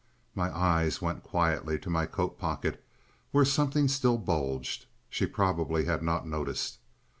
My eyes went quietly to my coat pocket, where something still bulged. She probably had not noticed.